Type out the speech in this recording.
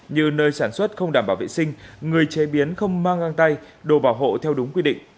như nơi sản xuất không đảm bảo vệ sinh người chế biến không mang ngang tay đồ bảo hộ theo đúng quy định